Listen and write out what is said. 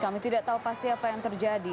kami tidak tahu pasti apa yang terjadi